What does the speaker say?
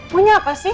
punya apa sih